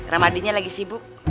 rahmadinya lagi sibuk